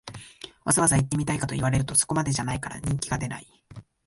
わざわざ行ってみたいかと言われると、そこまでじゃないから人気が出ない